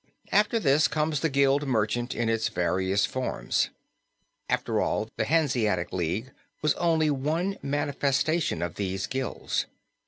After this comes the guild merchant in its various forms. After all the Hanseatic League was only one manifestation of these guilds.